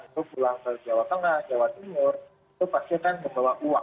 itu pulang ke jawa tengah jawa timur itu pasti akan membawa uang